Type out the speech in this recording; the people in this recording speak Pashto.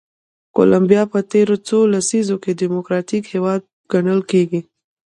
کولمبیا په تېرو څو لسیزو کې ډیموکراتیک هېواد ګڼل کېږي.